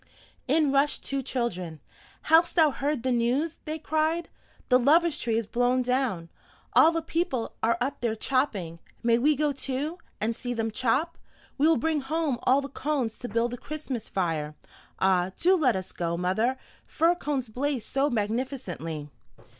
In rushed two children. "Hast thou heard the news?" they cried. "The Lovers' Tree is blown down! All the people are up there chopping. May we go too, and see them chop? We will bring home all the cones to build the Christmas fire. Ah, do let us go, mother; fir cones blaze so magnificently."